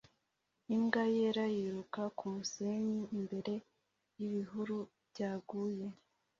Imbwa yera yiruka kumusenyi imbere y'ibihuru byaguye